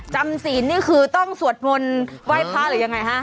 ศีลนี่คือต้องสวดมนต์ไหว้พระหรือยังไงฮะ